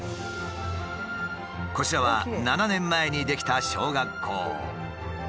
こちらは７年前に出来た小学校。